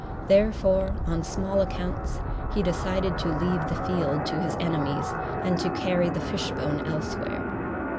Therefore, on small accounts he decided to leave the field to his enemies and to carry the fishbone elsewhere.